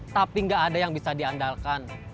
tapi nggak ada yang bisa diandalkan